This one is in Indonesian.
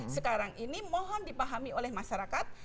sekarang ini mohon dipahami oleh masyarakat